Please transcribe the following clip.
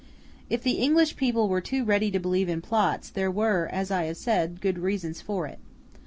If the English people were too ready to believe in plots, there were, as I have said, good reasons for it.